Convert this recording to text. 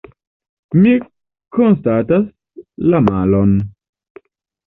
Mi konstatas la malon.